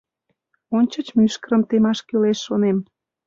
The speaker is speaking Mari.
Ончыч мӱшкырым темаш кӱлеш, шонем.